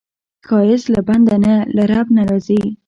ښایست له بنده نه، له رب نه راځي